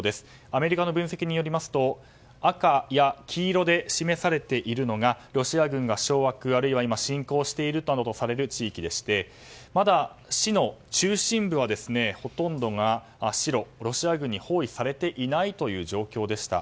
アメリカの分析によりますと赤や黄色で示されているのがロシア軍が掌握、あるいは今侵攻しているとされる地域でしてまだ市の中心部はほとんどが白ロシア軍に包囲されていない状況でした。